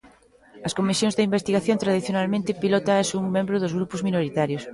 As comisións de investigación tradicionalmente pilótaas un membro dos grupos minoritarios.